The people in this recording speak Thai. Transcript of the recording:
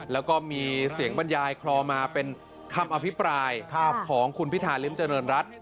แล้วก็มีเสียงบรรยายคลอมาเป็นคำอภิปรายของคุณพิธาริมเจริญรัฐ